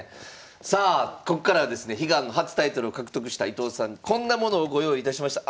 さあここからはですね悲願の初タイトルを獲得した伊藤さんにこんなものをご用意いたしました。